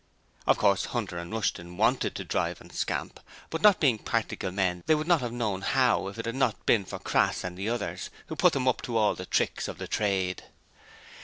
Of course, Hunter and Rushton wanted to drive and scamp, but not being practical men they would not have known how if it had not been for Crass and the others, who put them up to all the tricks of the trade.